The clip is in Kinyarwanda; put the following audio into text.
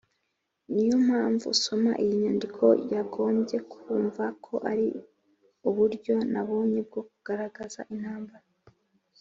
niyo mpamvu, usoma iyi nyandiko yagombye kumva ko ari uburyo nabonye bwo kugaragaza intambara